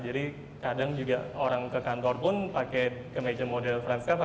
jadi kadang juga orang ke kantor pun pakai kemeja model french kaveling